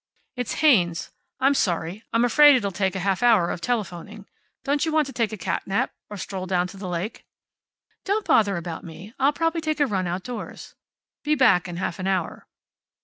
"It's Haynes. I'm sorry. I'm afraid it'll take a half hour of telephoning. Don't you want to take a cat nap? Or a stroll down to the lake?" "Don't bother about me. I'll probably take a run outdoors." "Be back in half an hour."